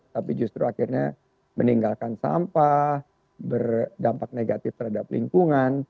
tapi justru akhirnya meninggalkan sampah berdampak negatif terhadap lingkungan